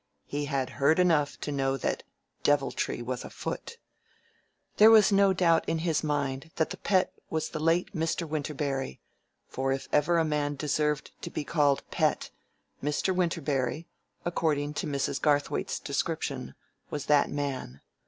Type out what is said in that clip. He had heard enough to know that deviltry was afoot. There was no doubt in his mind that the Pet was the late Mr. Winterberry, for if ever a man deserved to be called "Pet," Mr. Winterberry according to Mrs. Garthwaite's description was that man.